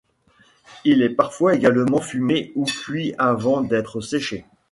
Il est parfois également fumé ou cuit avant d'être séché.